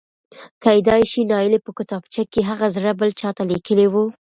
کېدای شي نايلې په کتابچه کې هغه زړه بل چاته لیکلی و.؟؟